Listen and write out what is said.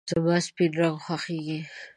زما سپین رنګ خوښېږي .